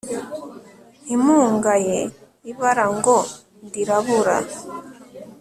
ntimungaye ibara ngo ndirabura